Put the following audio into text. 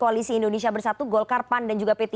koalisi indonesia bersatu golkar pan dan juga p tiga